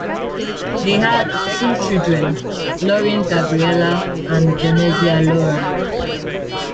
They had two children, Lorin Gabriella and Venezia Loran.